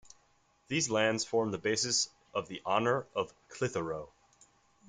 These lands formed the basis of the Honour of Clitheroe.